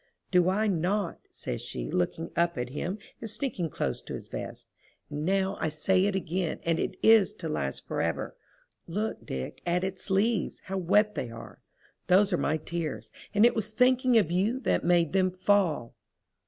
"Do I not," says she, looking up at him and sneaking close to his vest, "and now I say it again, and it is to last forever. Look, Dick, at its leaves, how wet they are. Those are my tears, and it was thinking of you that made them fall."